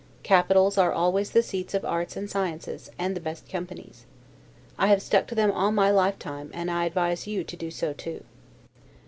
Capitals are always the seats of arts and sciences, and the best companies. I have stuck to them all my lifetime, and I advise you to do so too.